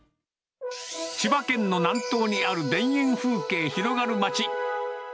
千葉県の南東にある田園風景広がる町。